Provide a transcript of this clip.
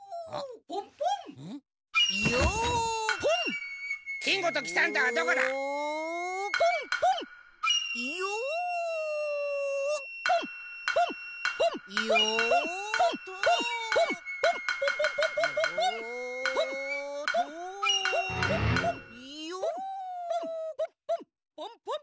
ポンポンポンポン。